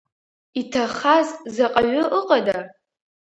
Иҭахаз заҟаҩы ыҟада?